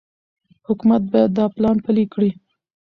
حکومت باید دا پلان پلي کړي.